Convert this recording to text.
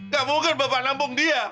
kamu kan bawa nampung dia